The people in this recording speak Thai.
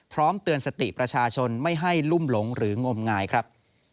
เตือนสติประชาชนไม่ให้ลุ่มหลงหรืองมงายครับ